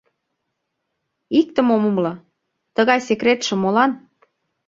Иктым ом умыло, тыгай секретше молан?